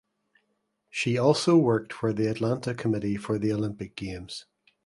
She also worked for the Atlanta Committee for the Olympic Games.